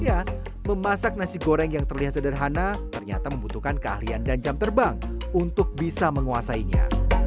ya memasak nasi goreng yang terlihat sederhana ternyata membutuhkan keahlian dan jam terbang untuk bisa menguasainya